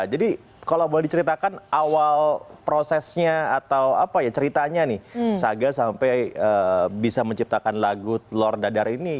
jadi kalau boleh diceritakan awal prosesnya atau apa ya ceritanya nih saga sampai bisa menciptakan lagu telur dadar ini